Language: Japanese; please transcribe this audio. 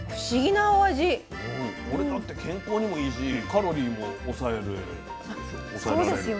これだって健康にもいいしカロリーも抑えれるでしょ？